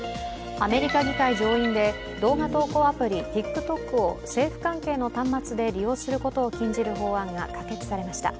アメリカ議会上院で動画投稿アプリ・ＴｉｋＴｏｋを政府関係の端末で利用することを禁じる法案が可決されました。